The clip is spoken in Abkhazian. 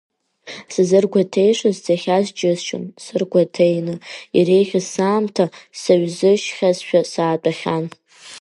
Сзыргәаҭеишаз цахьаз џьысшьон сыргәаҭеины, иреиӷьыз саамҭа саҩсыжьхьазшәа саатәахьан.